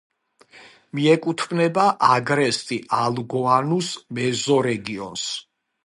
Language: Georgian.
მიეკუთვნება აგრესტი-ალგოანუს მეზორეგიონს.